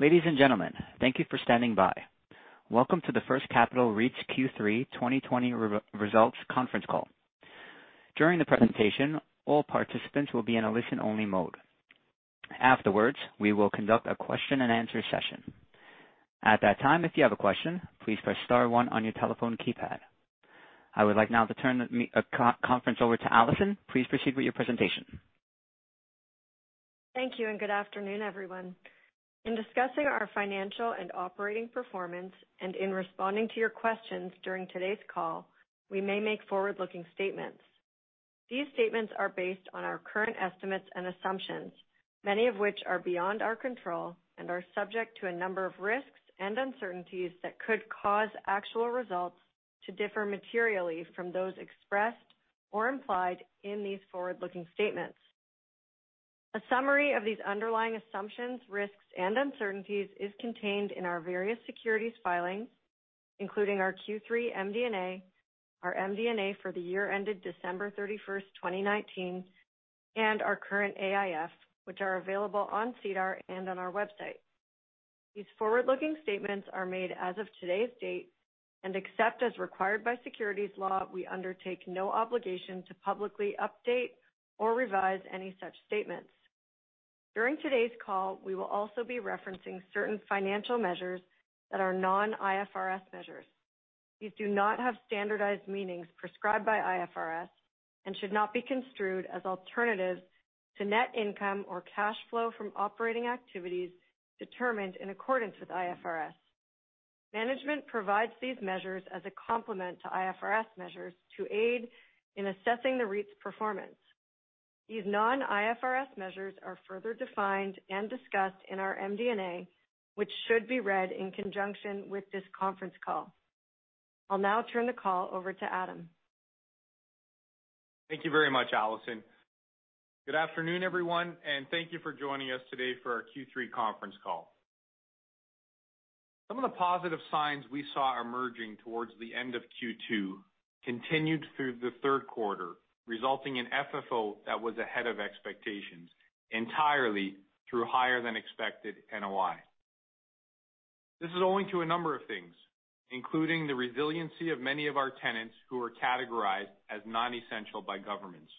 Ladies and gentlemen, thank you for standing by. Welcome to the First Capital REIT's Q3 2020 Results Conference Call. During the presentation, all participants will be in a listen-only mode. Afterwards, we will conduct a question and answer session. At that time, if you have a question, please press star one on your telephone keypad. I would like now to turn the conference over to Alison. Please proceed with your presentation. Thank you, and good afternoon, everyone. In discussing our financial and operating performance, and in responding to your questions during today's call, we may make forward-looking statements. These statements are based on our current estimates and assumptions, many of which are beyond our control and are subject to a number of risks and uncertainties that could cause actual results to differ materially from those expressed or implied in these forward-looking statements. A summary of these underlying assumptions, risks, and uncertainties is contained in our various securities filings, including our Q3 MD&A, our MD&A for the year ended December 31st, 2019, and our current AIF, which are available on SEDAR and on our website. These forward-looking statements are made as of today's date, and except as required by securities law, we undertake no obligation to publicly update or revise any such statements. During today's call, we will also be referencing certain financial measures that are non-IFRS measures. These do not have standardized meanings prescribed by IFRS and should not be construed as alternatives to net income or cash flow from operating activities determined in accordance with IFRS. Management provides these measures as a complement to IFRS measures to aid in assessing the REIT's performance. These non-IFRS measures are further defined and discussed in our MD&A, which should be read in conjunction with this conference call. I'll now turn the call over to Adam. Thank you very much, Alison. Good afternoon, everyone, and thank you for joining us today for our Q3 conference call. Some of the positive signs we saw emerging towards the end of Q2 continued through the third quarter, resulting in FFO that was ahead of expectations entirely through higher than expected NOI. This is owing to a number of things, including the resiliency of many of our tenants who are categorized as non-essential by governments.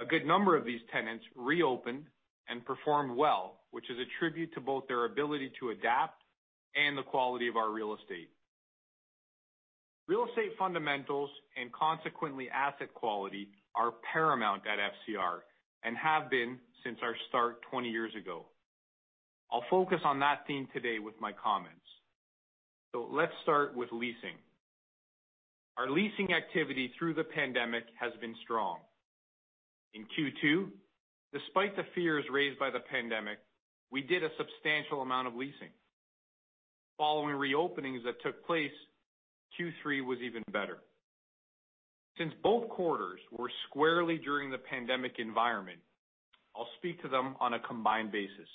A good number of these tenants reopened and performed well, which is a tribute to both their ability to adapt and the quality of our real estate. Real estate fundamentals, and consequently asset quality, are paramount at FCR and have been since our start 20 years ago. I’ll focus on that theme today with my comments. Let’s start with leasing. Our leasing activity through the pandemic has been strong. In Q2, despite the fears raised by the pandemic, we did a substantial amount of leasing. Following reopenings that took place, Q3 was even better. Since both quarters were squarely during the pandemic environment, I’ll speak to them on a combined basis.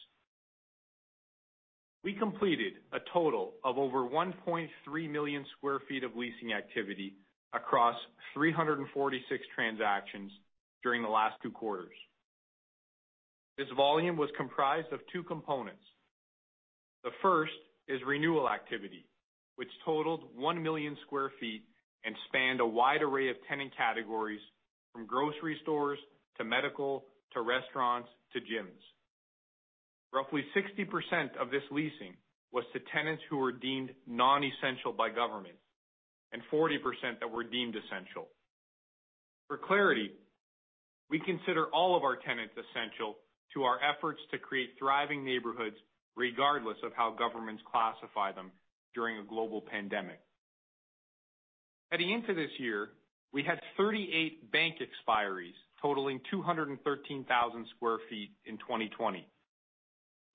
We completed a total of over 1.3 million sq ft of leasing activity across 346 transactions during the last two quarters. This volume was comprised of two components. The first is renewal activity, which totaled 1 million sq ft and spanned a wide array of tenant categories from grocery stores to medical, to restaurants, to gyms. Roughly 60% of this leasing was to tenants who were deemed non-essential by government and 40% that were deemed essential. For clarity, we consider all of our tenants essential to our efforts to create thriving neighborhoods, regardless of how governments classify them during a global pandemic. Heading into this year, we had 38 bank expiries totaling 213,000 sq ft in 2020.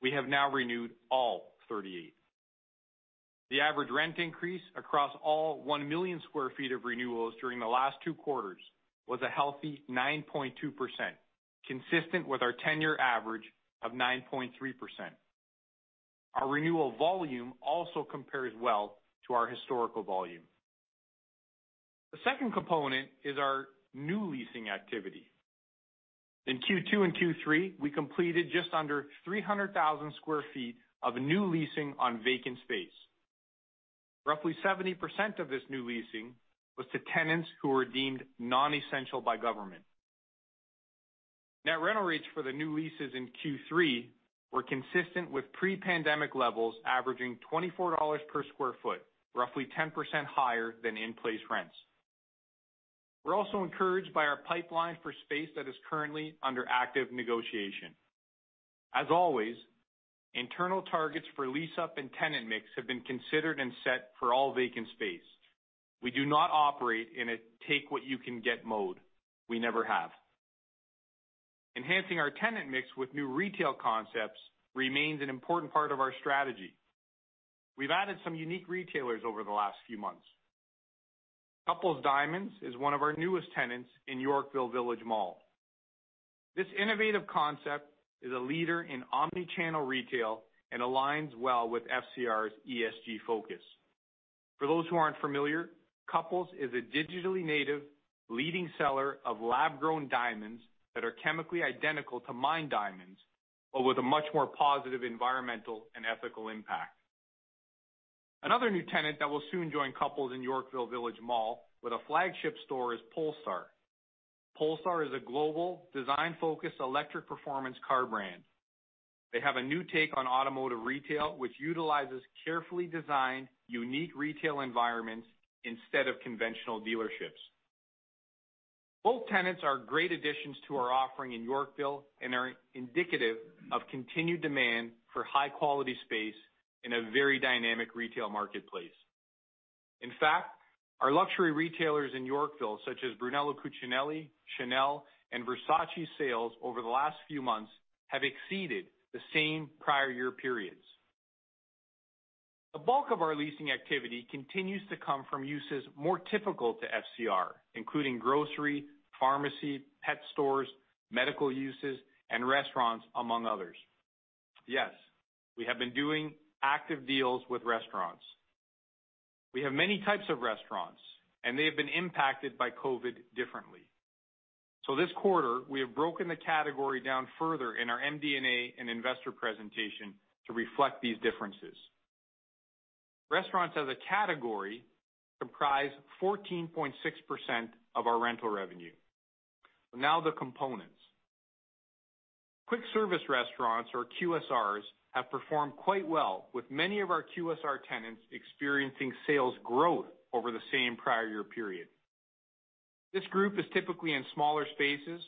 We have now renewed all 38. The average rent increase across all 1 million sq ft of renewals during the last two quarters was a healthy 9.2%, consistent with our 10-year average of 9.3%. Our renewal volume also compares well to our historical volume. The second component is our new leasing activity. In Q2 and Q3, we completed just under 300,000 sq ft of new leasing on vacant space. Roughly 70% of this new leasing was to tenants who were deemed non-essential by government. Net rental rates for the new leases in Q3 were consistent with pre-pandemic levels, averaging 24 dollars per sq ft, roughly 10% higher than in-place rents. We’re also encouraged by our pipeline for space that is currently under active negotiation. As always, internal targets for lease-up and tenant mix have been considered and set for all vacant space. We do not operate in a take-what-you-can-get mode. We never have. Enhancing our tenant mix with new retail concepts remains an important part of our strategy. We’ve added some unique retailers over the last few months. Couple Diamonds is one of our newest tenants in Yorkville Village mall. This innovative concept is a leader in omni-channel retail and aligns well with FCR's ESG focus. For those who aren't familiar, Couples is a digitally native leading seller of lab-grown diamonds that are chemically identical to mined diamonds, but with a much more positive environmental and ethical impact. Another new tenant that will soon join Couples in Yorkville Village with a flagship store is Polestar. Polestar is a global design-focused electric performance car brand. They have a new take on automotive retail, which utilizes carefully designed unique retail environments instead of conventional dealerships. Both tenants are great additions to our offering in Yorkville and are indicative of continued demand for high-quality space in a very dynamic retail marketplace. In fact, our luxury retailers in Yorkville, such as Brunello Cucinelli, Chanel, and Versace sales over the last few months have exceeded the same prior year periods. The bulk of our leasing activity continues to come from uses more typical to FCR, including grocery, pharmacy, pet stores, medical uses, and restaurants, among others. Yes, we have been doing active deals with restaurants. We have many types of restaurants, and they have been impacted by COVID differently. This quarter, we have broken the category down further in our MD&A and investor presentation to reflect these differences. Restaurants as a category comprise 14.6% of our rental revenue. The components. Quick service restaurants or QSRs have performed quite well, with many of our QSR tenants experiencing sales growth over the same prior year period. This group is typically in smaller spaces,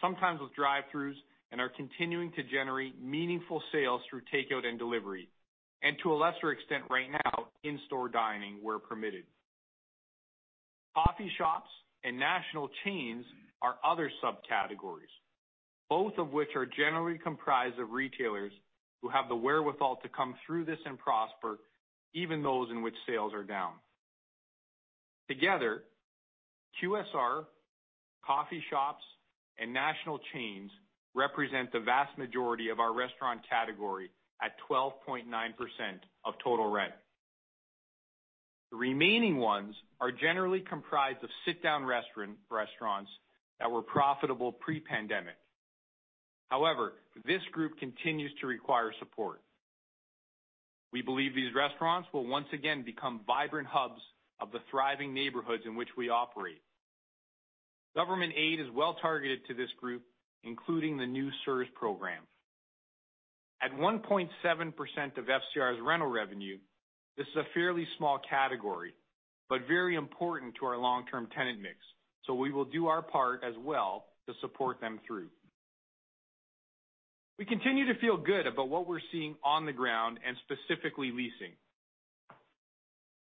sometimes with drive-throughs, and are continuing to generate meaningful sales through takeout and delivery, and to a lesser extent right now, in-store dining where permitted. Coffee shops and national chains are other subcategories, both of which are generally comprised of retailers who have the wherewithal to come through this and prosper, even those in which sales are down. Together, QSR, coffee shops, and national chains represent the vast majority of our restaurant category at 12.9% of total rent. The remaining ones are generally comprised of sit-down restaurants that were profitable pre-pandemic. This group continues to require support. We believe these restaurants will once again become vibrant hubs of the thriving neighborhoods in which we operate. Government aid is well-targeted to this group, including the new [CECRA] program. At 1.7% of FCR's rental revenue, this is a fairly small category, but very important to our long-term tenant mix, so we will do our part as well to support them through. We continue to feel good about what we're seeing on the ground and specifically leasing.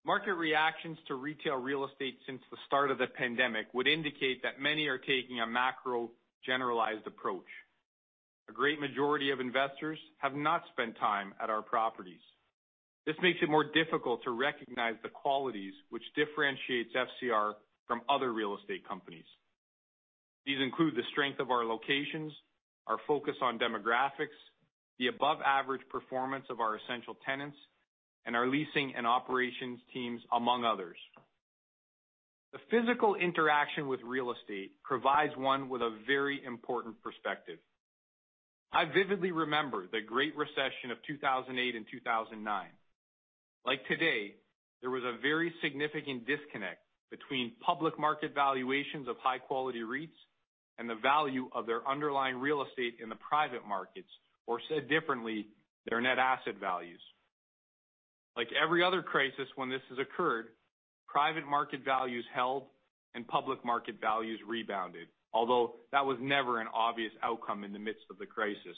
Market reactions to retail real estate since the start of the pandemic would indicate that many are taking a macro generalized approach. A great majority of investors have not spent time at our properties. This makes it more difficult to recognize the qualities which differentiates FCR from other real estate companies. These include the strength of our locations, our focus on demographics, the above-average performance of our essential tenants, and our leasing and operations teams, among others. The physical interaction with real estate provides one with a very important perspective. I vividly remember the Great Recession of 2008 and 2009. Like today, there was a very significant disconnect between public market valuations of high-quality REITs and the value of their underlying real estate in the private markets, or said differently, their net asset values. Like every other crisis when this has occurred, private market values held and public market values rebounded. Although that was never an obvious outcome in the midst of the crisis.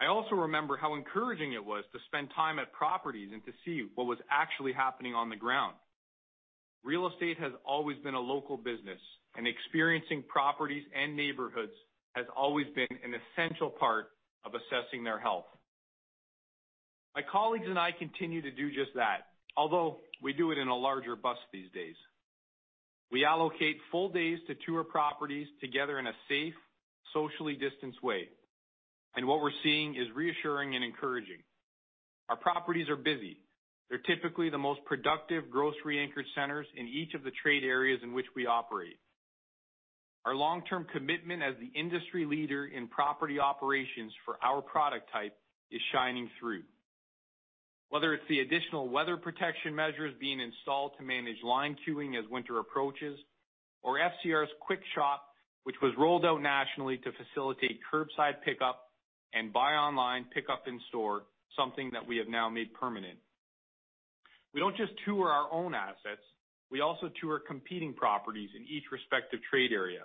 I also remember how encouraging it was to spend time at properties and to see what was actually happening on the ground. Real estate has always been a local business, and experiencing properties and neighborhoods has always been an essential part of assessing their health. My colleagues and I continue to do just that, although we do it in a larger bus these days. We allocate full days to tour properties together in a safe, socially distanced way, and what we're seeing is reassuring and encouraging. Our properties are busy. They're typically the most productive grocery anchor centers in each of the trade areas in which we operate. Our long-term commitment as the industry leader in property operations for our product type is shining through. Whether it's the additional weather protection measures being installed to manage line queuing as winter approaches, or FCR's Quick Shop, which was rolled out nationally to facilitate curbside pickup and buy online pickup in store, something that we have now made permanent. We don't just tour our own assets; we also tour competing properties in each respective trade area.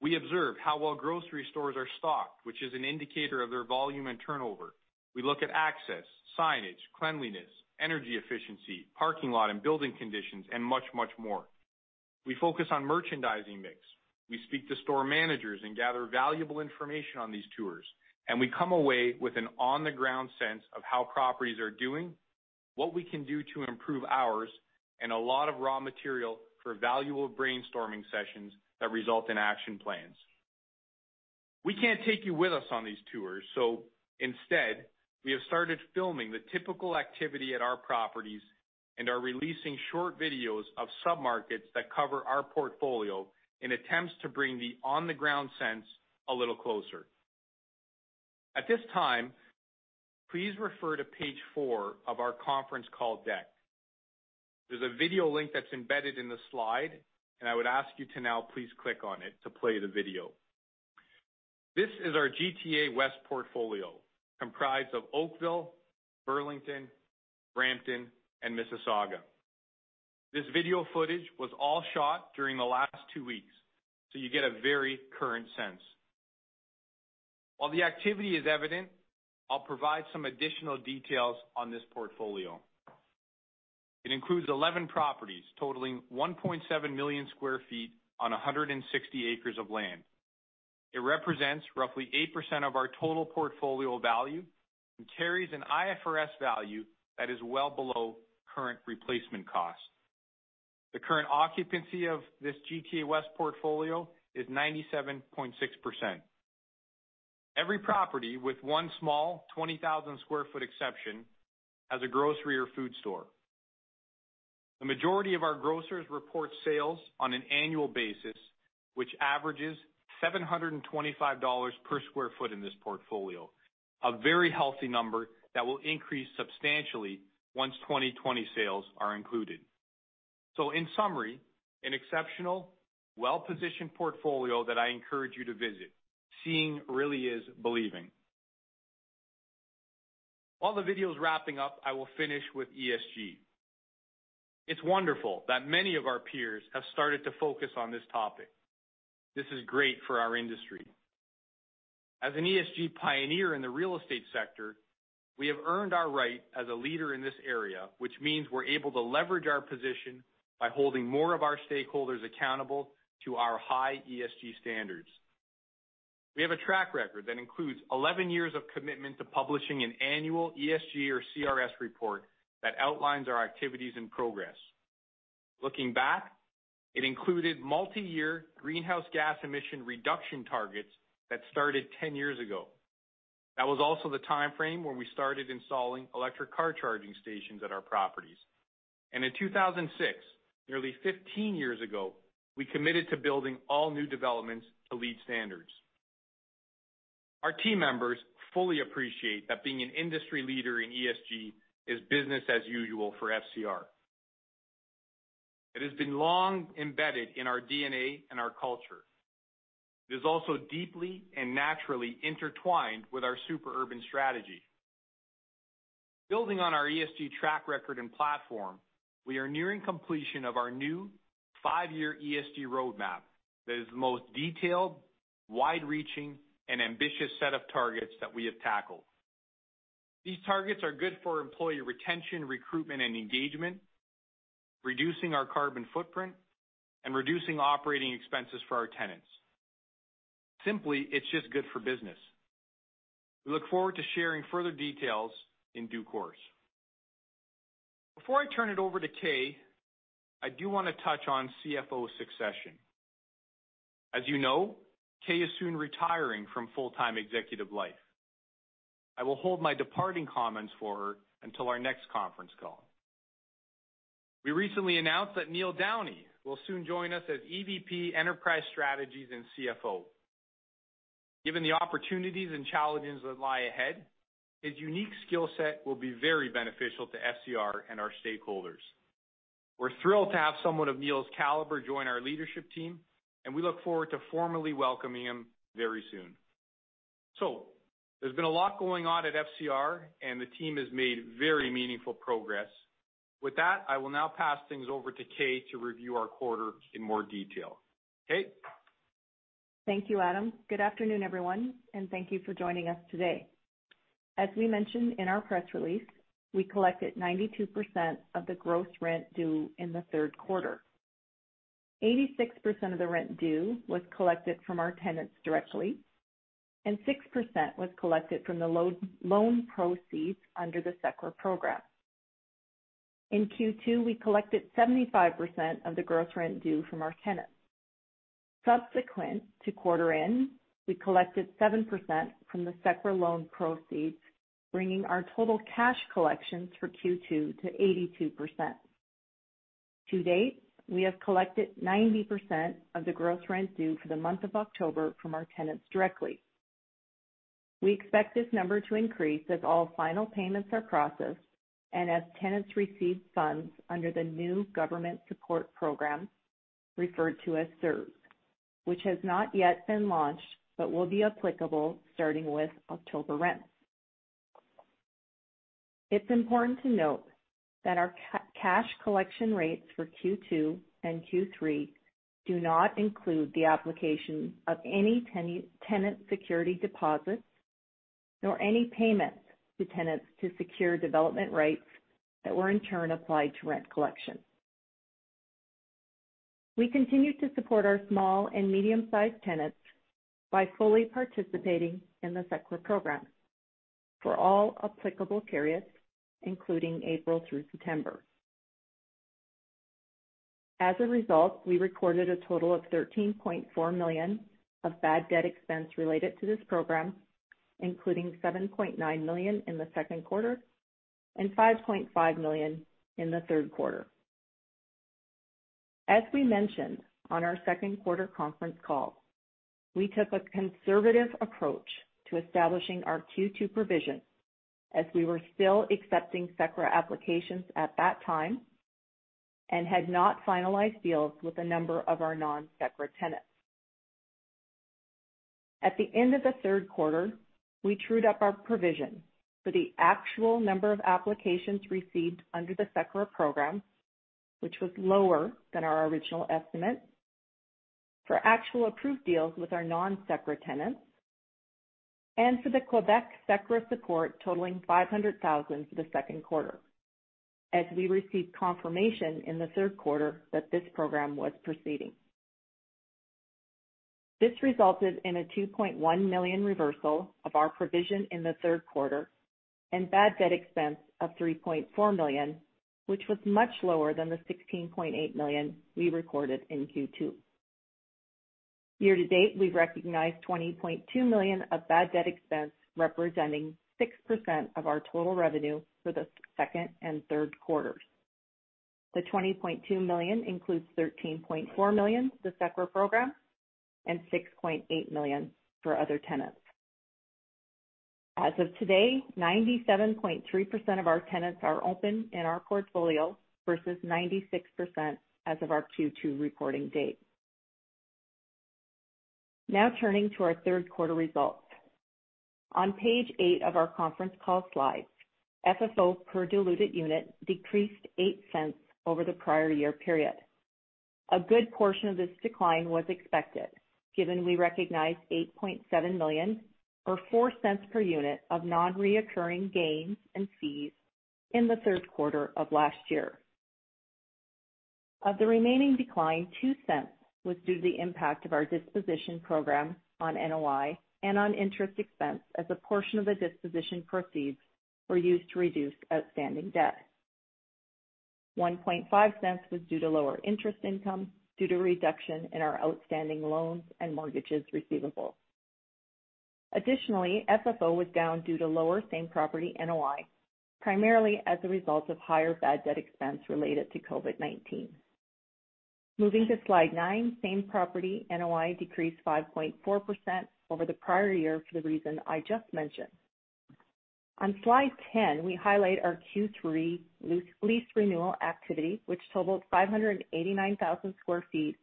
We observe how well grocery stores are stocked, which is an indicator of their volume and turnover. We look at access, signage, cleanliness, energy efficiency, parking lot, and building conditions, and much, much more. We focus on merchandising mix. We speak to store managers and gather valuable information on these tours, and we come away with an on-the-ground sense of how properties are doing, what we can do to improve ours, and a lot of raw material for valuable brainstorming sessions that result in action plans. We can't take you with us on these tours, so instead, we have started filming the typical activity at our properties and are releasing short videos of sub-markets that cover our portfolio in attempts to bring the on-the-ground sense a little closer. At this time, please refer to page four of our conference call deck. There's a video link that's embedded in the slide, and I would ask you to now please click on it to play the video. This is our GTA West portfolio, comprised of Oakville, Burlington, Brampton, and Mississauga. This video footage was all shot during the last two weeks, so you get a very current sense. While the activity is evident, I'll provide some additional details on this portfolio. It includes 11 properties totaling 1.7 million sq ft on 160 acres of land. It represents roughly 8% of our total portfolio value and carries an IFRS value that is well below current replacement cost. The current occupancy of this GTA West portfolio is 97.6%. Every property, with one small 20,000 sq ft exception, has a grocery or food store. The majority of our grocers report sales on an annual basis, which averages 725 dollars per sq ft in this portfolio. A very healthy number that will increase substantially once 2020 sales are included. In summary, an exceptional, well-positioned portfolio that I encourage you to visit. Seeing really is believing. While the video's wrapping up, I will finish with ESG. It's wonderful that many of our peers have started to focus on this topic. This is great for our industry. As an ESG pioneer in the real estate sector, we have earned our right as a leader in this area, which means we're able to leverage our position by holding more of our stakeholders accountable to our high ESG standards. We have a track record that includes 11 years of commitment to publishing an annual ESG or CRS report that outlines our activities and progress. Looking back, it included multi-year greenhouse gas emission reduction targets that started 10 years ago. That was also the timeframe when we started installing electric car charging stations at our properties. In 2006, nearly 15 years ago, we committed to building all new developments to LEED standards. Our team members fully appreciate that being an industry leader in ESG is business as usual for FCR. It has been long embedded in our DNA and our culture. It is also deeply and naturally intertwined with our super urban strategy. Building on our ESG track record and platform, we are nearing completion of our new five-year ESG roadmap that is the most detailed, wide-reaching, and ambitious set of targets that we have tackled. These targets are good for employee retention, recruitment, and engagement, reducing our carbon footprint, and reducing operating expenses for our tenants. Simply, it's just good for business. We look forward to sharing further details in due course. Before I turn it over to Kay, I do want to touch on CFO succession. As you know, Kay is soon retiring from full time executive life. I will hold my departing comments for her until our next conference call. We recently announced that Neil Downey will soon join us as EVP, Enterprise Strategies and CFO. Given the opportunities and challenges that lie ahead, his unique skill set will be very beneficial to FCR and our stakeholders. We're thrilled to have someone of Neil's caliber join our leadership team, and we look forward to formally welcoming him very soon. There's been a lot going on at FCR, and the team has made very meaningful progress. With that, I will now pass things over to Kay to review our quarter in more detail. Kay? Thank you, Adam. Good afternoon, everyone, and thank you for joining us today. As we mentioned in our press release, we collected 92% of the gross rent due in the third quarter. 86% of the rent due was collected from our tenants directly, and 6% was collected from the loan proceeds under the CECRA program. In Q2, we collected 75% of the gross rent due from our tenants. Subsequent to quarter end, we collected 7% from the CECRA loan proceeds, bringing our total cash collections for Q2 to 82%. To date, we have collected 90% of the gross rent due for the month of October from our tenants directly. We expect this number to increase as all final payments are processed and as tenants receive funds under the new government support program-, referred to as CERS, which has not yet been launched but will be applicable starting with October rent. It's important to note that our cash collection rates for Q2 and Q3 do not include the application of any tenant security deposits, nor any payments to tenants to secure development rights that were in turn applied to rent collection. We continue to support our small and medium-sized tenants by fully participating in the CECRA program for all applicable periods, including April through September. A result, we recorded a total of 13.4 million of bad debt expense related to this program, including 7.9 million in the second quarter and 5.5 million in the third quarter. We mentioned on our second quarter conference call, we took a conservative approach to establishing our Q2 provision as we were still accepting CECRA applications at that time and had not finalized deals with a number of our non-CECRA tenants. At the end of the third quarter, we trued up our provision for the actual number of applications received under the CECRA program, which was lower than our original estimate, for actual approved deals with our non-CECRA tenants, and for the Quebec CECRA support totaling 500,000 for the second quarter, as we received confirmation in the third quarter that this program was proceeding. This resulted in a 2.1 million reversal of our provision in the third quarter and bad debt expense of 3.4 million, which was much lower than the 16.8 million we recorded in Q2. Year to date, we've recognized 20.2 million of bad debt expense, representing 6% of our total revenue for the second and third quarters. The 20.2 million includes 13.4 million for the CECRA program and 6.8 million for other tenants. As of today, 97.3% of our tenants are open in our portfolio versus 96% as of our Q2 reporting date. Turning to our third quarter results. On page eight of our conference call slides, FFO per diluted unit decreased 0.08 over the prior year period. A good portion of this decline was expected given we recognized 8.7 million, or 0.04 per unit, of non-recurring gains and fees in the third quarter of last year. Of the remaining decline, 0.02 was due to the impact of our disposition program on NOI and on interest expense as a portion of the disposition proceeds were used to reduce outstanding debt. 0.015 was due to lower interest income due to reduction in our outstanding loans and mortgages receivable. Additionally, FFO was down due to lower same property NOI, primarily as a result of higher bad debt expense related to COVID-19. Moving to slide nine, same property NOI decreased 5.4% over the prior year for the reason I just mentioned. On slide 10, we highlight our Q3 lease renewal activity, which totaled 589,000 sq ft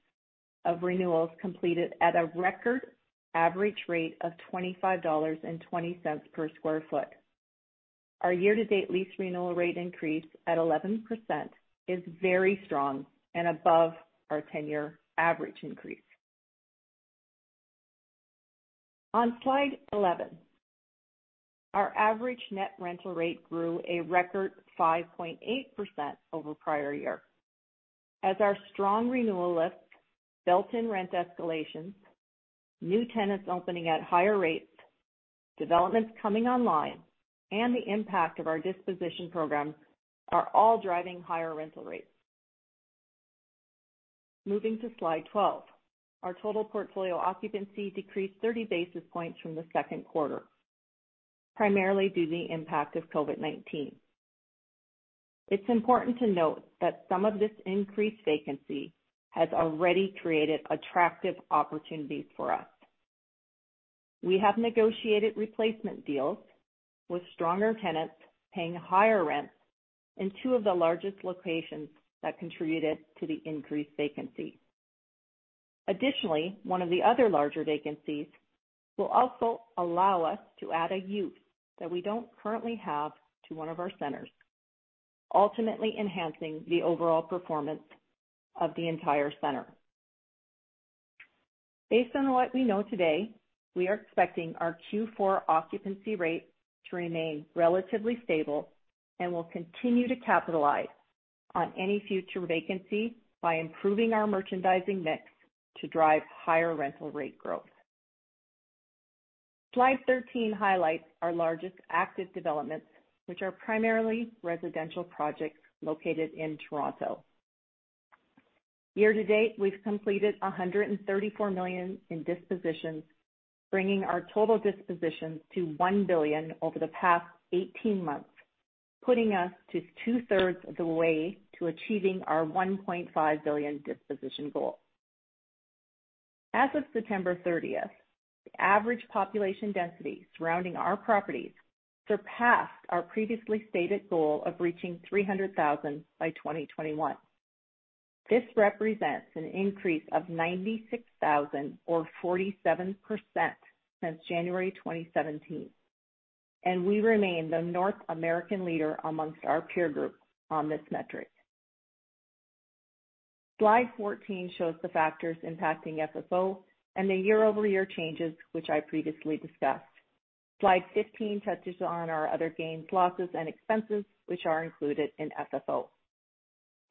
of renewals completed at a record average rate of 25.20 dollars per sq ft. Our year-to-date lease renewal rate increase at 11% is very strong and above our 10-year average increase. On slide 11, our average net rental rate grew a record 5.8% over prior year as our strong renewal list, built-in rent escalations, new tenants opening at higher rates, developments coming online, and the impact of our disposition program are all driving higher rental rates. Moving to slide 12. Our total portfolio occupancy decreased 30 basis points from the second quarter, primarily due to the impact of COVID-19. It's important to note that some of this increased vacancy has already created attractive opportunities for us. We have negotiated replacement deals with stronger tenants paying higher rents in two of the largest locations that contributed to the increased vacancy. Additionally, one of the other larger vacancies will also allow us to add a use that we don't currently have to one of our centers, ultimately enhancing the overall performance of the entire center. Based on what we know today, we are expecting our Q4 occupancy rate to remain relatively stable and will continue to capitalize on any future vacancy by improving our merchandising mix to drive higher rental rate growth. Slide 13 highlights our largest active developments, which are primarily residential projects located in Toronto. Year to date, we've completed 134 million in dispositions, bringing our total dispositions to 1 billion over the past 18 months, putting us 2/3 of the way to achieving our 1.5 billion disposition goal. As of September 30th, the average population density surrounding our properties surpassed our previously stated goal of reaching 300,000 by 2021. This represents an increase of 96,000, or 47%, since January 2017, and we remain the North American leader amongst our peer group on this metric. Slide 14 shows the factors impacting FFO and the year-over-year changes, which I previously discussed. Slide 15 touches on our other gains, losses, and expenses, which are included in FFO.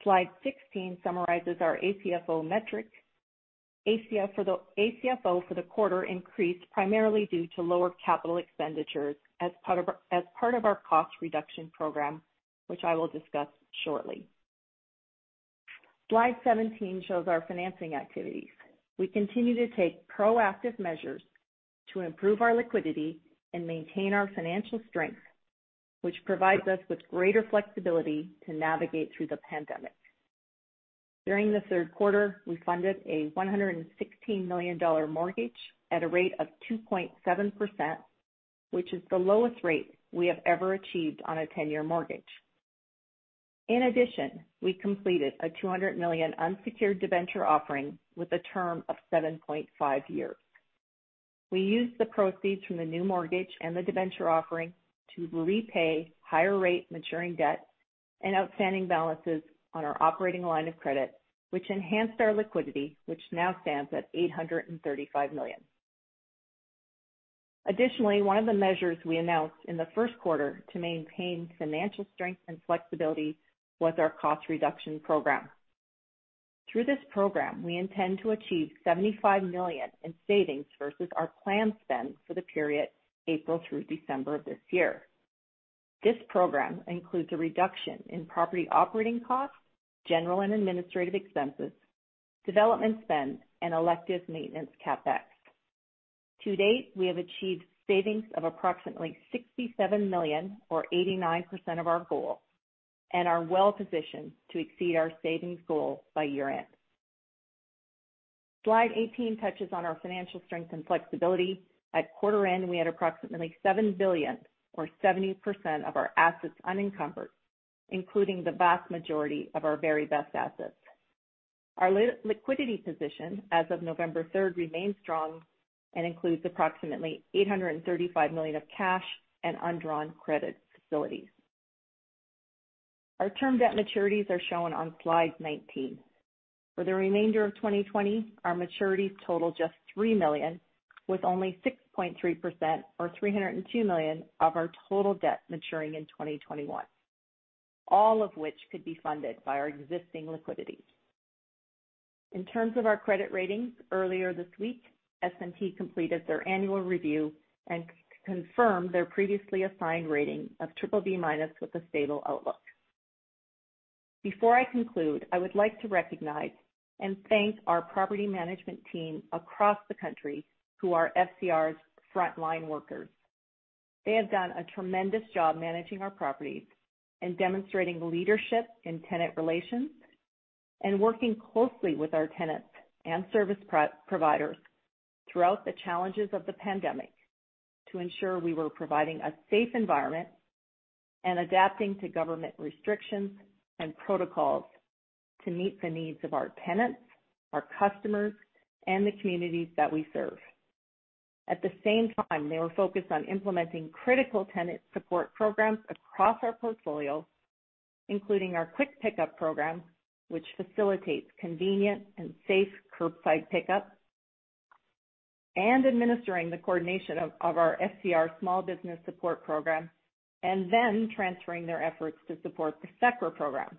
Slide 16 summarizes our ACFO metric. ACFO for the quarter increased primarily due to lower capital expenditures as part of our cost reduction program, which I will discuss shortly. Slide 17 shows our financing activities. We continue to take proactive measures to improve our liquidity and maintain our financial strength, which provides us with greater flexibility to navigate through the pandemic. During the third quarter, we funded a 116 million dollar mortgage at a rate of 2.7%, which is the lowest rate we have ever achieved on a 10-year mortgage. In addition, we completed a 200 million unsecured debenture offering with a term of 7.5 years. We used the proceeds from the new mortgage and the debenture offering to repay higher rate maturing debt and outstanding balances on our operating line of credit, which enhanced our liquidity, which now stands at 835 million. Additionally, one of the measures we announced in the first quarter to maintain financial strength and flexibility was our cost reduction program. Through this program, we intend to achieve 75 million in savings versus our planned spend for the period April through December this year. This program includes a reduction in property operating costs, general and administrative expenses, development spend, and elective maintenance CapEx. To date, we have achieved savings of approximately 67 million or 89% of our goal and are well positioned to exceed our savings goal by year-end. Slide 18 touches on our financial strength and flexibility. At quarter end, we had approximately 7 billion or 70% of our assets unencumbered, including the vast majority of our very best assets. Our liquidity position as of November 3rd remains strong and includes approximately 835 million of cash and undrawn credit facilities. Our term debt maturities are shown on Slide 19. For the remainder of 2020, our maturities total just 3 million with only 6.3% or 302 million of our total debt maturing in 2021, all of which could be funded by our existing liquidity. In terms of our credit ratings, earlier this week, S&P completed their annual review and confirmed their previously assigned rating of BBB- with a stable outlook. Before I conclude, I would like to recognize and thank our property management team across the country who are FCR's frontline workers. They have done a tremendous job managing our properties and demonstrating leadership in tenant relations and working closely with our tenants and service providers throughout the challenges of the pandemic to ensure we were providing a safe environment and adapting to government restrictions and protocols to meet the needs of our tenants, our customers, and the communities that we serve. At the same time, they were focused on implementing critical tenant support programs across our portfolio, including our quick pick-up program, which facilitates convenient and safe curbside pickup, and administering the coordination of our FCR small business support program, transferring their efforts to support the CECRA program.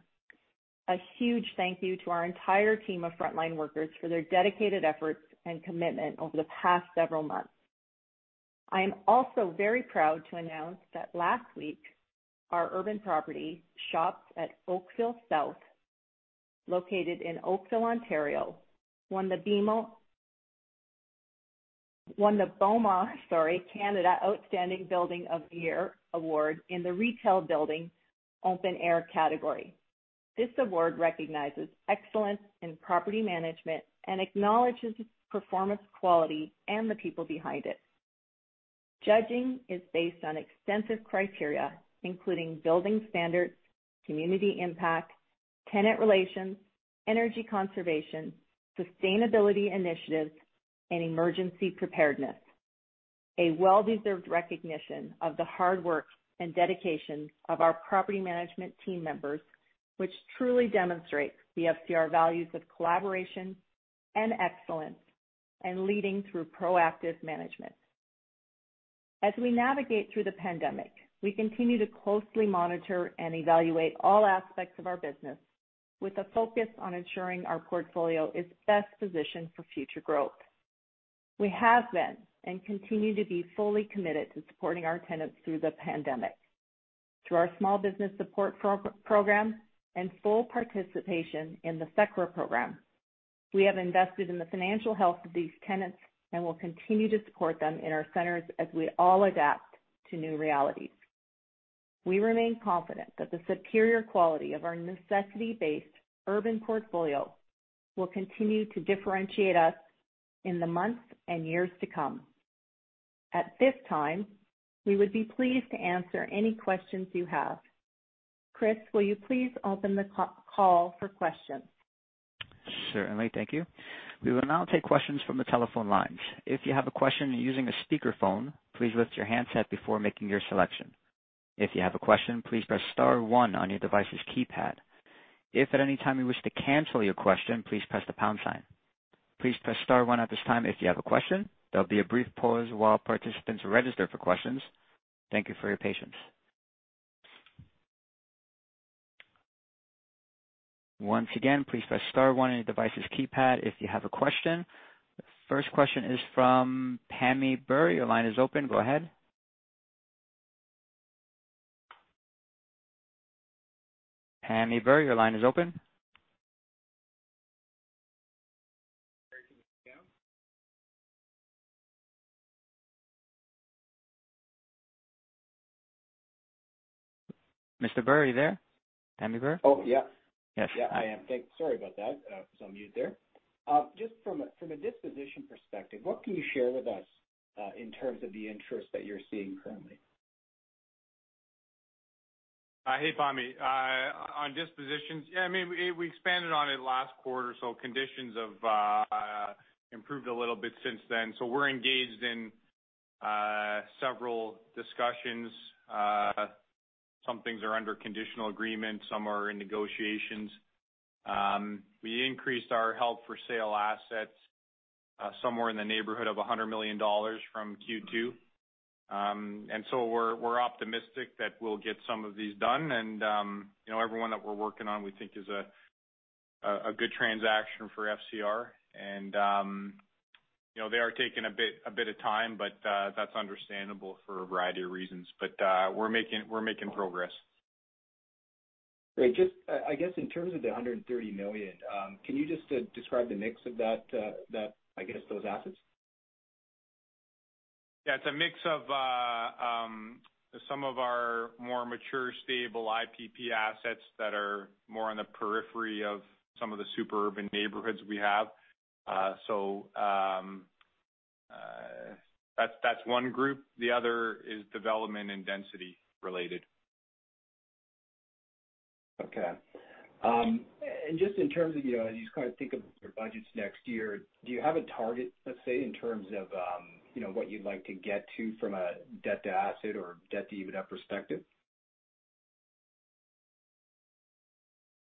A huge thank you to our entire team of frontline workers for their dedicated efforts and commitment over the past several months. I am also very proud to announce that last week, our urban property Shops at Oakville South, located in Oakville, Ontario, won the BOMA Canada Outstanding Building of the Year Award in the Retail Building Open Air category. This award recognizes excellence in property management and acknowledges performance quality and the people behind it. Judging is based on extensive criteria, including building standards, community impact, tenant relations, energy conservation, sustainability initiatives, and emergency preparedness. A well-deserved recognition of the hard work and dedication of our property management team members, which truly demonstrates the FCR values of collaboration and excellence and leading through proactive management. As we navigate through the pandemic, we continue to closely monitor and evaluate all aspects of our business with a focus on ensuring our portfolio is best positioned for future growth. We have been, and continue to be, fully committed to supporting our tenants through the pandemic. Through our small business support program and full participation in the CECRA program, we have invested in the financial health of these tenants and will continue to support them in our centers as we all adapt to new realities. We remain confident that the superior quality of our necessity-based urban portfolio will continue to differentiate us in the months and years to come. At this time, we would be pleased to answer any questions you have. Chris, will you please open the call for questions? Certainly. Thank you. We will now take questions from the telephone lines. If you have a question using a speakerphone, please lift your handset before making your selection. If you have a question, please press star one on your device's keypad. If at any time you wish to cancel your question, please press the pound sign. Please press star one at this time if you have a question. There'll be a brief pause while participants register for questions. Thank you for your patience. Once again, please press star one on your device's keypad if you have a question. First question is from Pammi Bir. Your line is open. Go ahead. Pammi Bir, your line is open. Mr. Bir, are you there? Pammi Bir? Oh, yeah. Yes. Yeah, I am. Thanks. Sorry about that. I was on mute there. Just from a disposition perspective, what can you share with us, in terms of the interest that you're seeing currently? Hey, Pammi. On dispositions, we expanded on it last quarter. Conditions have improved a little bit since then. We're engaged in several discussions. Some things are under conditional agreement, some are in negotiations. We increased our held-for-sale assets somewhere in the neighborhood of 100 million dollars from Q2. We're optimistic that we'll get some of these done, and everyone that we're working on we think is a good transaction for FCR. They are taking a bit of time. That's understandable for a variety of reasons. We're making progress. Great. Just, I guess, in terms of the 130 million, can you just describe the mix of, I guess, those assets? Yeah. It's a mix of some of our more mature, stable IPP assets that are more on the periphery of some of the super urban neighborhoods we have. That's one group. The other is development and density-related. Okay. Just in terms of, as you kind of think of your budgets next year, do you have a target, let's say, in terms of what you'd like to get to from a debt to asset or debt to EBITDA perspective?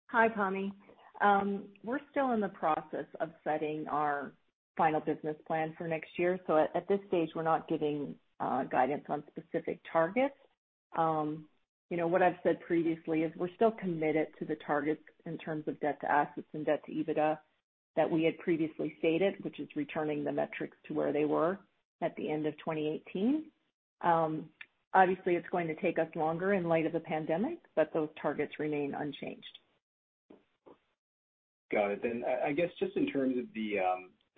Hi, Pammi. We're still in the process of setting our final business plan for next year. At this stage, we're not giving guidance on specific targets. What I've said previously is we're still committed to the targets in terms of debt to assets and debt to EBITDA that we had previously stated, which is returning the metrics to where they were at the end of 2018. Obviously, it's going to take us longer in light of the pandemic, but those targets remain unchanged. Got it. I guess just in terms of the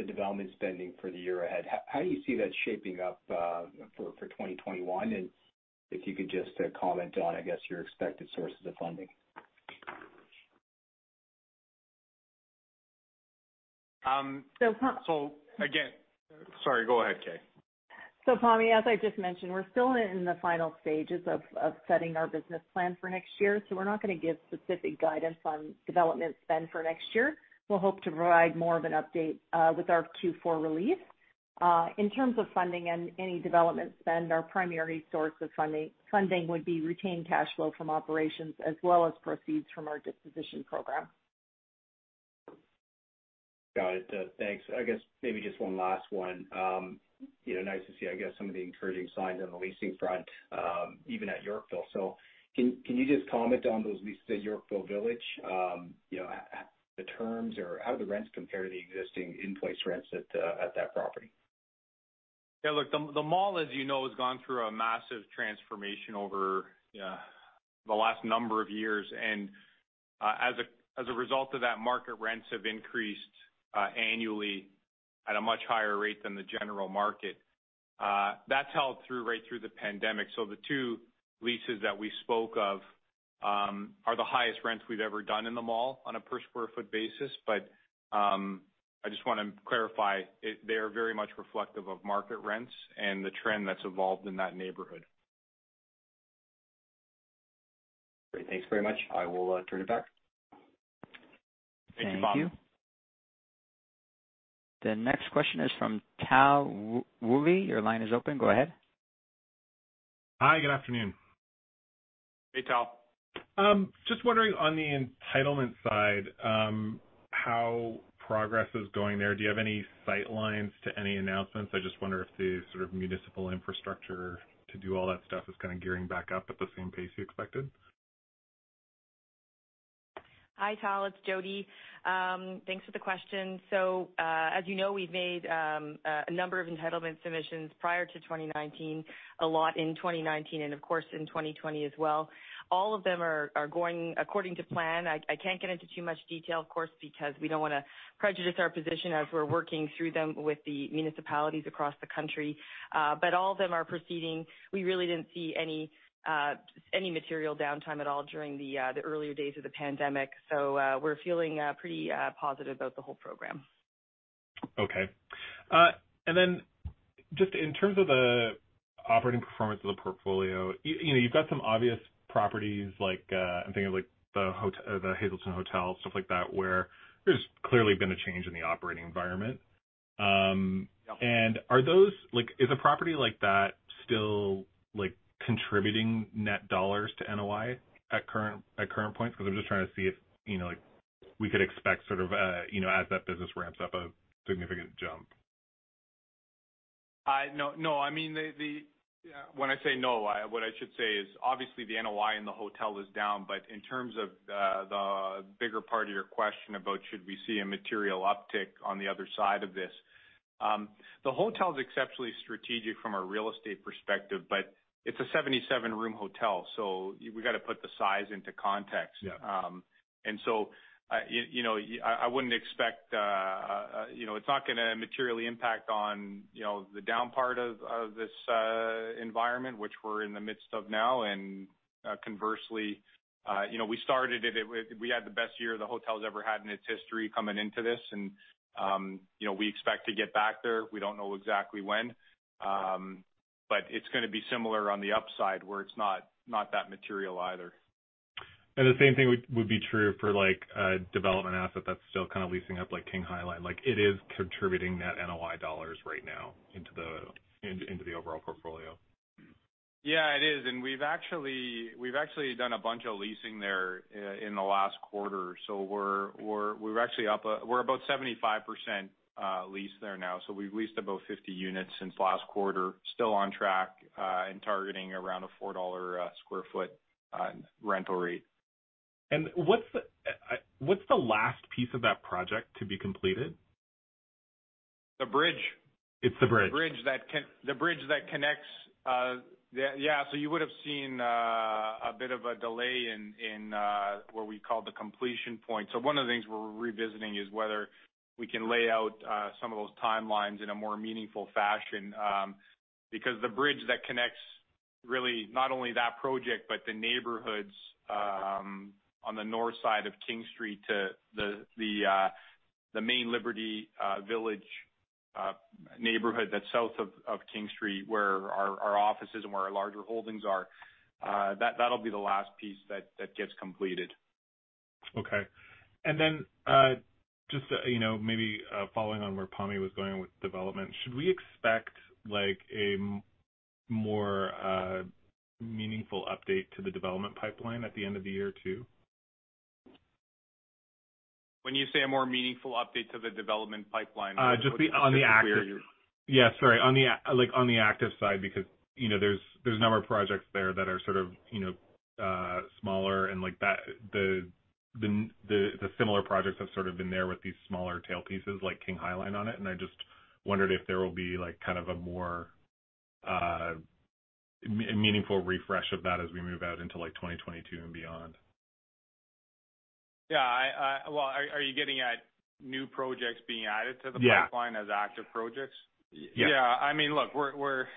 development spending for the year ahead, how do you see that shaping up for 2021? If you could just comment on, I guess, your expected sources of funding. Sorry, go ahead, Kay. Pammi, as I just mentioned, we're still in the final stages of setting our business plan for next year. We're not going to give specific guidance on development spend for next year. We'll hope to provide more of an update with our Q4 release. In terms of funding and any development spend, our primary source of funding would be retained cash flow from operations, as well as proceeds from our disposition program. Got it. Thanks. I guess maybe just one last one. Nice to see, I guess, some of the encouraging signs on the leasing front, even at Yorkville. Can you just comment on those leases at Yorkville Village, the terms, or how do the rents compare to the existing in-place rents at that property? Yeah, look, the mall, as you know, has gone through a massive transformation over the last number of years. As a result of that, market rents have increased annually at a much higher rate than the general market. That's held right through the pandemic. The two leases that we spoke of are the highest rents we've ever done in the mall on a per square foot basis. I just want to clarify, they are very much reflective of market rents and the trend that's evolved in that neighborhood. Great. Thanks very much. I will turn it back. Thank you, Pammi. Thank you. The next question is from Tal Woolley. Your line is open. Go ahead. Hi, good afternoon. Hey, Tal. Just wondering on the entitlement side, how progress is going there? Do you have any sight lines to any announcements? I just wonder if the sort of municipal infrastructure to do all that stuff is kind of gearing back up at the same pace you expected. Hi, Tal. It's Jodi. Thanks for the question. As you know, we've made a number of entitlement submissions prior to 2019, a lot in 2019, and of course, in 2020 as well. All of them are going according to plan. I can't get into too much detail, of course, because we don't want to prejudice our position as we're working through them with the municipalities across the country. All of them are proceeding. We really didn't see any material downtime at all during the earlier days of the pandemic. We're feeling pretty positive about the whole program. Okay. Just in terms of the operating performance of the portfolio, you've got some obvious properties like, I'm thinking of The Hazelton Hotel, stuff like that, where there's clearly been a change in the operating environment. Yeah. Is a property like that still contributing net dollars to NOI at current point? I'm just trying to see if we could expect sort of, as that business ramps up, a significant jump. No. When I say no, what I should say is obviously the NOI in the hotel is down. In terms of the bigger part of your question about should we see a material uptick on the other side of this, the hotel is exceptionally strategic from a real estate perspective, but it's a 77-room hotel. We've got to put the size into context. Yeah. I wouldn't expect It's not going to materially impact on the down part of this environment, which we're in the midst of now. Conversely, we had the best year the hotel's ever had in its history coming into this, and we expect to get back there. We don't know exactly when. It's going to be similar on the upside where it's not that material either. The same thing would be true for a development asset that's still kind of leasing up like King High Line. It is contributing net NOI dollars right now into the overall portfolio. It is. We've actually done a bunch of leasing there in the last quarter. We're about 75% leased there now. We've leased about 50 units since last quarter, still on track and targeting around a 4 dollar square foot rental rate. What's the last piece of that project to be completed? The bridge. It's the bridge. The bridge that connects. You would've seen a bit of a delay in what we call the completion point. One of the things we're revisiting is whether we can lay out some of those timelines in a more meaningful fashion. The bridge that connects really not only that project, but the neighborhoods on the north side of King Street to the main Liberty Village neighborhood that's south of King Street where our offices and where our larger holdings are, that'll be the last piece that gets completed. Okay. Then just maybe following on where Pammi was going with development, should we expect a more meaningful update to the development pipeline at the end of the year, too? When you say a more meaningful update to the development pipeline— Just on the active, sorry, on the active side, there's a number of projects there that are sort of smaller and the similar projects have sort of been there with these smaller tail pieces like King High Line on it. I just wondered if there will be kind of a more meaningful refresh of that as we move out into 2022 and beyond. Yeah. Well, are you getting at new projects being added to the pipeline- Yeah as active projects? Yeah. Look,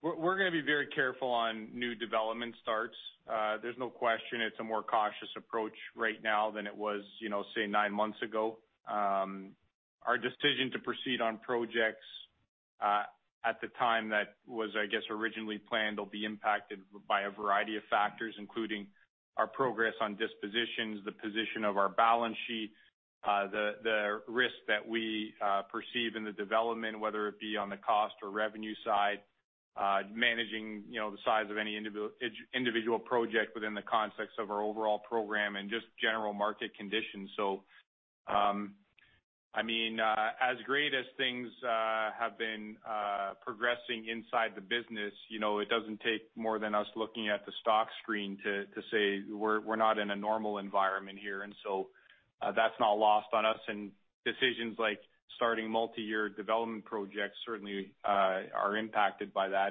we're going to be very careful on new development starts. There's no question it's a more cautious approach right now than it was, say nine months ago. Our decision to proceed on projects at the time that was, I guess, originally planned will be impacted by a variety of factors, including our progress on dispositions, the position of our balance sheet, the risk that we perceive in the development, whether it be on the cost or revenue side, managing the size of any individual project within the context of our overall program, and just general market conditions. As great as things have been progressing inside the business, it doesn't take more than us looking at the stock screen to say we're not in a normal environment here. That's not lost on us, and decisions like starting multi-year development projects certainly are impacted by that.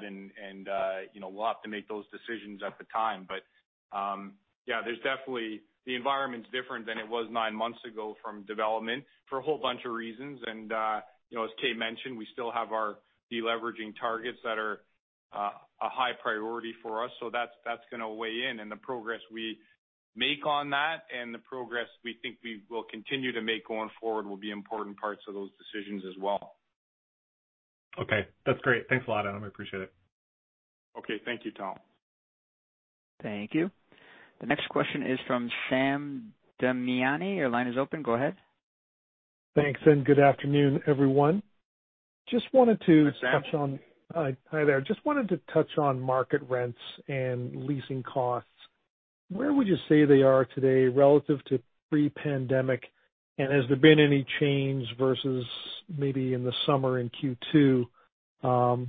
We'll have to make those decisions at the time. Yeah, the environment's different than it was nine months ago from development for a whole bunch of reasons. As Kay mentioned, we still have our de-leveraging targets that are a high priority for us. That's going to weigh in. The progress we make on that and the progress we think we will continue to make going forward will be important parts of those decisions as well. Okay. That's great. Thanks a lot, Adam. I appreciate it. Okay. Thank you, Tal. Thank you. The next question is from Sam Damiani. Your line is open. Go ahead. Thanks, and good afternoon, everyone. Hi, Sam. Hi there. Just wanted to touch on market rents and leasing costs. Where would you say they are today relative to pre-pandemic? Has there been any change versus maybe in the summer in Q2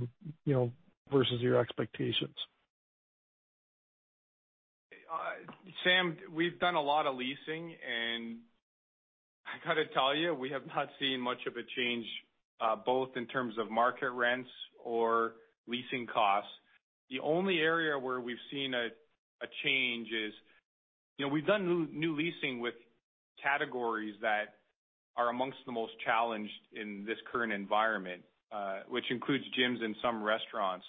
versus your expectations? Sam, we've done a lot of leasing. I've got to tell you, we have not seen much of a change both in terms of market rents or leasing costs. The only area where we've seen a change is we've done new leasing with categories that are amongst the most challenged in this current environment, which includes gyms and some restaurants.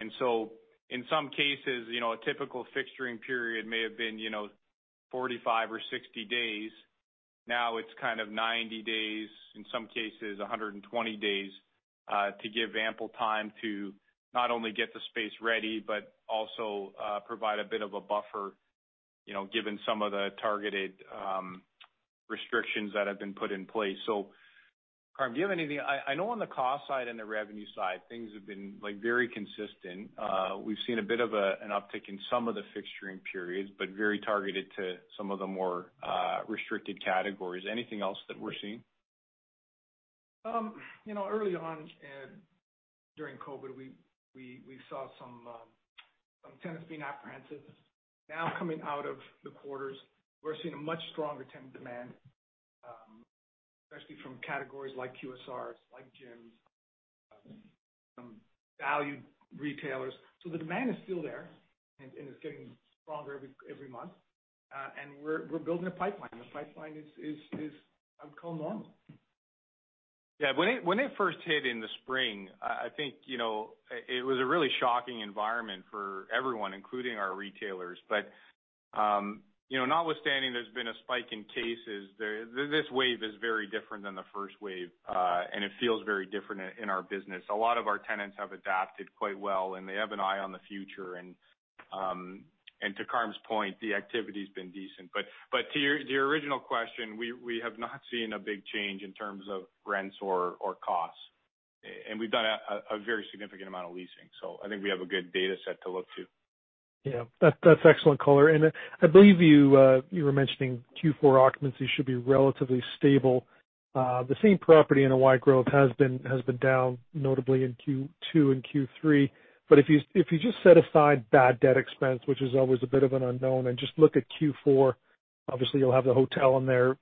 In some cases, a typical fixturing period may have been 45 or 60 days. Now it's kind of 90 days, in some cases, 120 days to give ample time to not only get the space ready, but also provide a bit of a buffer given some of the targeted restrictions that have been put in place. [Carm], do you have anything, I know on the cost side and the revenue side, things have been very consistent. We've seen a bit of an uptick in some of the fixturing periods, but very targeted to some of the more restricted categories. Anything else that we're seeing? Early on during COVID, we saw some tenants being apprehensive. Now coming out of the quarters, we're seeing a much stronger tenant demand, especially from categories like QSRs, like gyms, some value retailers. The demand is still there, and it's getting stronger every month. We're building a pipeline. The pipeline is, I would call normal. Yeah. When it first hit in the spring, I think it was a really shocking environment for everyone, including our retailers. Notwithstanding there's been a spike in cases, this wave is very different than the first wave, and it feels very different in our business. A lot of our tenants have adapted quite well, and they have an eye on the future. To [Carm's] point, the activity's been decent. To your original question, we have not seen a big change in terms of rents or costs. We've done a very significant amount of leasing. I think we have a good data set to look to. Yeah. That's excellent color. I believe you were mentioning Q4 occupancy should be relatively stable. The same property NOI growth has been down notably in Q2 and Q3. If you just set aside bad debt expense, which is always a bit of an unknown, and just look at Q4, obviously you'll have the hotel in there,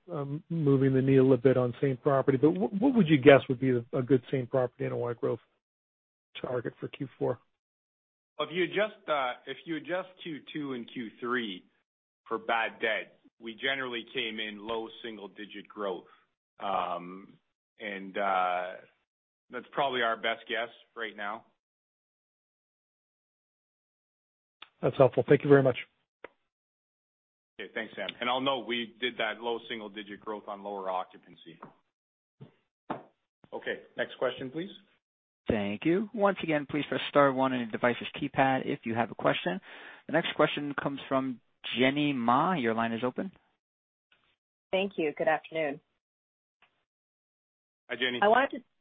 moving the needle a bit on same property. What would you guess would be a good same property NOI growth target for Q4? If you adjust Q2 and Q3 for bad debt, we generally came in low single-digit growth. That's probably our best guess right now. That's helpful. Thank you very much. Okay. Thanks, Sam. I'll note we did that low single digit growth on lower occupancy. Okay, next question, please. Thank you. Once again, please press star one on your device's keypad if you have a question. The next question comes from [Jenny Ma]. Your line is open. Thank you. Good afternoon. Hi, Jenny. Hi.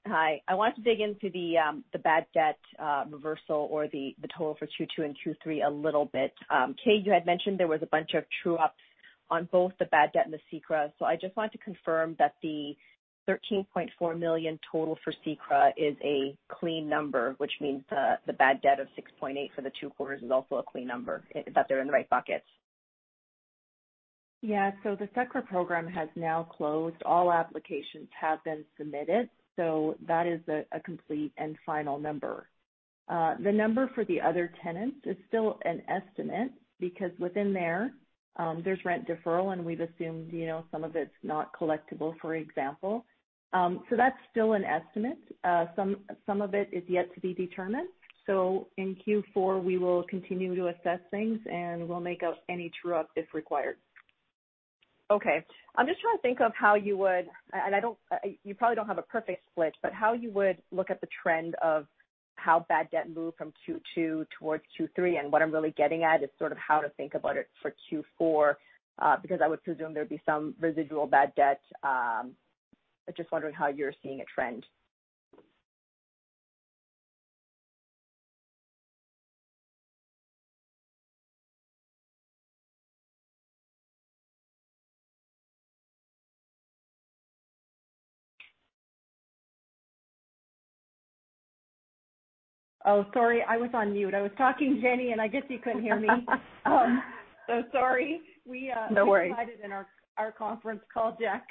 I wanted to dig into the bad debt reversal or the total for Q2 and Q3 a little bit. Kay, you had mentioned there was a bunch of true-ups on both the bad debt and the CECRA. I just wanted to confirm that the 13.4 million total for CECRA is a clean number, which means the bad debt of 6.8 for the two quarters is also a clean number, that they're in the right buckets. The CECRA program has now closed. All applications have been submitted, that is a complete and final number. The number for the other tenants is still an estimate because within there's rent deferral, and we've assumed some of it's not collectible, for example. That's still an estimate. Some of it is yet to be determined. In Q4, we will continue to assess things and we'll make up any true-up if required. Okay. I'm just trying to think of. You probably don't have a perfect split, but how you would look at the trend of how bad debt moved from Q2 towards Q3, and what I'm really getting at is sort of how to think about it for Q4, because I would presume there'd be some residual bad debt. I'm just wondering how you're seeing- it trend. Oh, sorry, I was on mute. I was talking, Jenny, and I guess you couldn't hear me. So sorry. No worries. We included in our conference call deck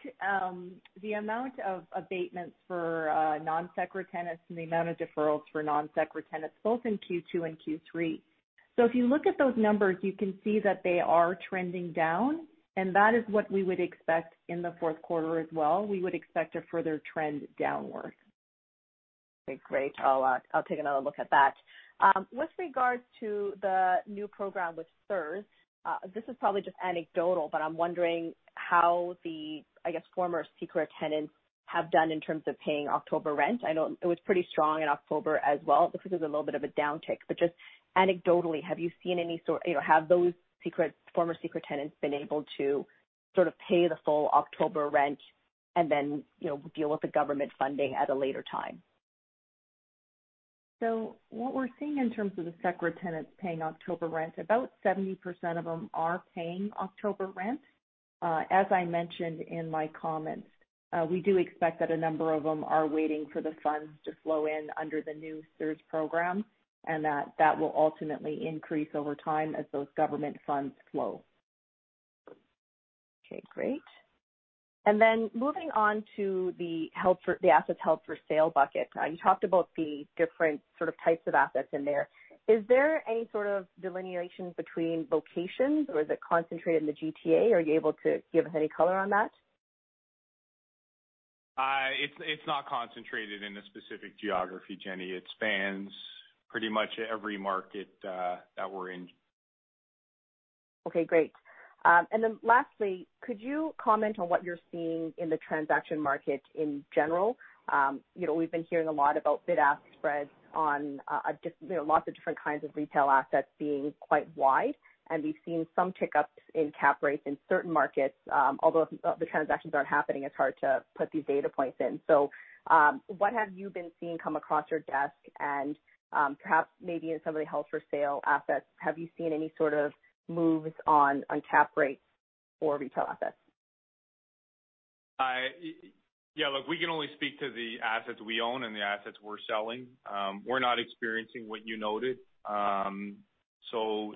the amount of abatements for non-CECRA tenants and the amount of deferrals for non-CECRA tenants, both in Q2 and Q3. If you look at those numbers, you can see that they are trending down, and that is what we would expect in the fourth quarter as well. We would expect a further trend downward. Okay, great. I'll take another look at that. With regards to the new program with CERS, this is probably just anecdotal, but I'm wondering how the former CECRA tenants have done in terms of paying October rent. I know it was pretty strong in October as well. It looks like there's a little bit of a downtick. Just anecdotally, have those former CECRA tenants been able to sort of pay the full October rent and then deal with the government funding at a later time? What we're seeing in terms of the CECRA tenants paying October rent, about 70% of them are paying October rent. As I mentioned in my comments, we do expect that a number of them are waiting for the funds to flow in under the new CERS program, and that will ultimately increase over time as those government funds flow. Okay, great. Moving on to the assets held for sale bucket. You talked about the different sort of types of assets in there. Is there any sort of delineation between locations, or is it concentrated in the GTA? Are you able to give us any color on that? It's not concentrated in a specific geography, Jenny. It spans pretty much every market that we're in. Okay, great. Lastly, could you comment on what you're seeing in the transaction market in general? We've been hearing a lot about bid-ask spreads on lots of different kinds of retail assets being quite wide, and we've seen some tick-ups in cap rates in certain markets. Although the transactions aren't happening, it's hard to put these data points in. What have you been seeing come across your desk? Perhaps maybe in some of the held for sale assets, have you seen any sort of moves on cap rates for retail assets? Yeah, look, we can only speak to the assets we own and the assets we're selling. We're not experiencing what you noted. The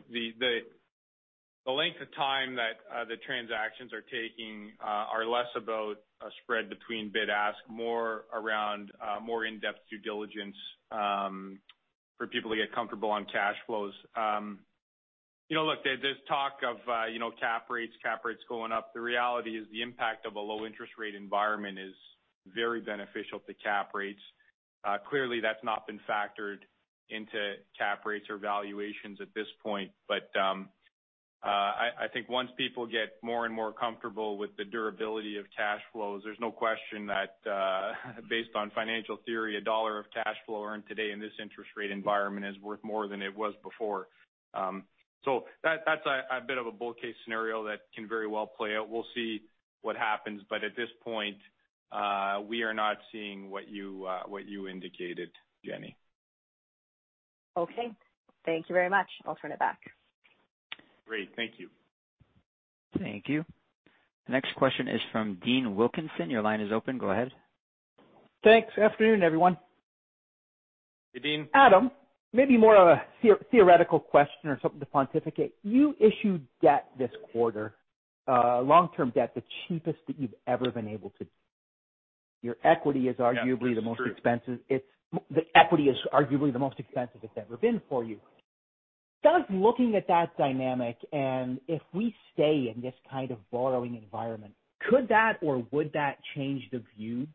length of time that the transactions are taking are less about a spread between bid-ask, more around more in-depth due diligence for people to get comfortable on cash flows. Look, there's talk of cap rates going up. The reality is the impact of a low interest rate environment is very beneficial to cap rates. Clearly, that's not been factored into cap rates or valuations at this point. I think once people get more and more comfortable with the durability of cash flows, there's no question that based on financial theory, a dollar of cash flow earned today in this interest rate environment is worth more than it was before. That's a bit of a bull case scenario that can very well play out. We'll see what happens. At this point, we are not seeing what you indicated, Jenny. Okay. Thank you very much. I'll turn it back. Great. Thank you. Thank you. The next question is from Dean Wilkinson. Your line is open. Go ahead. Thanks. Afternoon, everyone. Hey, Dean. Adam, maybe more of a theoretical question or something to pontificate. You issued debt this quarter, long-term debt, the cheapest that you've ever been able to. Your equity is arguably- Yeah, that's true. the most expensive it's ever been for you. Just looking at that dynamic, and if we stay in this kind of borrowing environment, could that or would that change the view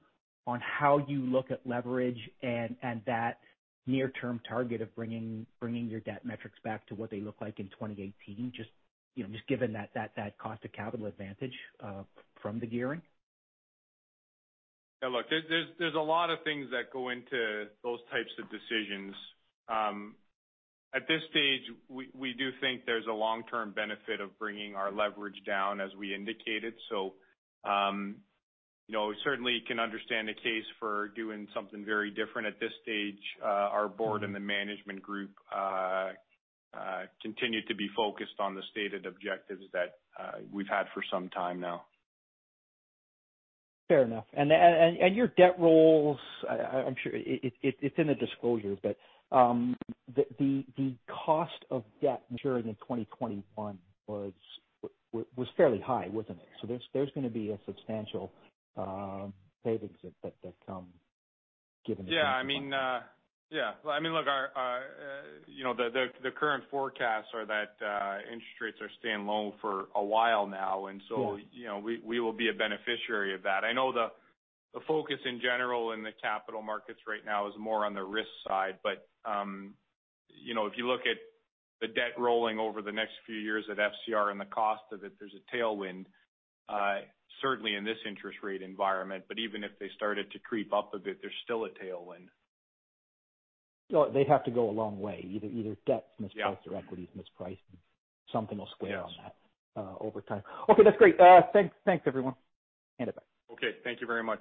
on how you look at leverage and that near-term target of bringing your debt metrics back to what they look like in 2018, just given that cost of capital advantage from the gearing? There's a lot of things that go into those types of decisions. At this stage, we do think there's a long-term benefit of bringing our leverage down as we indicated. We certainly can understand the case for doing something very different at this stage. Our board and the management group continue to be focused on the stated objectives that we've had for some time now. Fair enough. Your debt rolls, I'm sure it's in the disclosure, but the cost of debt maturing in 2021 was fairly high, wasn't it? There's going to be a substantial savings that come given- Yeah. I mean, look, the current forecasts are that interest rates are staying low for a while now. Sure We will be a beneficiary of that. I know the focus in general in the capital markets right now is more on the risk side. If you look at the debt rolling over the next few years at FCR and the cost of it, there's a tailwind, certainly in this interest rate environment. Even if they started to creep up a bit, there's still a tailwind. They'd have to go a long way. Either debt's mispriced. Yeah Equity's mispriced, and something will square on that. Yes over time. Okay, that's great. Thanks, everyone. Hand it back. Okay. Thank you very much.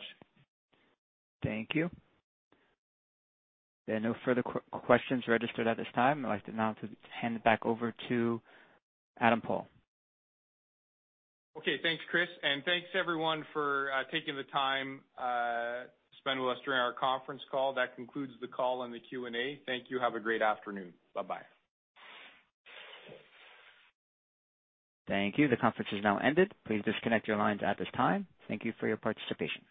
Thank you. There are no further questions registered at this time. I'd like now to hand it back over to Adam Paul. Okay, thanks, Chris. Thanks, everyone, for taking the time spend with us during our conference call. That concludes the call and the Q&A. Thank you. Have a great afternoon. Bye-bye. Thank you. The conference has now ended. Please disconnect your lines at this time. Thank you for your participation.